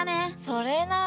それな。